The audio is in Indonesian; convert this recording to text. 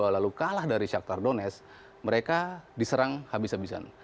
lalu kalah dari shakhtar donetsk mereka diserang habis habisan